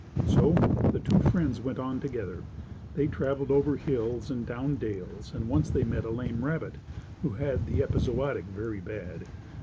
So the two friends went on together. They traveled over hills and down dales, and once they met a lame rabbit, who had the epizootic very bad.